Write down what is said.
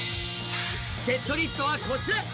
セットリストはこちら。